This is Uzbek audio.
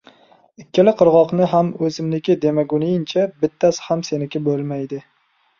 • Ikkala qirg‘oqni ham o‘zimniki demaguningcha, bittasi ham seniki bo‘lmaydi.